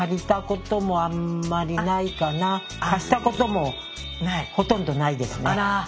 貸したこともほとんどないですね。